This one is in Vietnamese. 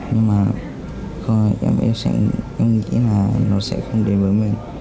nhưng mà em nghĩ là nó sẽ không đến với mình